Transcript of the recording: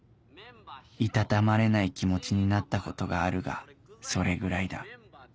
居たたまれない気持ちになったことがあるがそれぐらいだ